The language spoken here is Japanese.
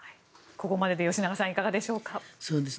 ここまでで吉永さんいかがでしょうか。